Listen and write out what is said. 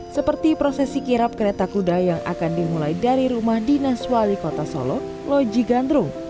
seperti prosesi kirap kereta kuda yang akan dimulai dari rumah dinas wali kota solo loji gandrung